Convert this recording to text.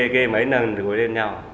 kê mấy lần rồi gối lên nhau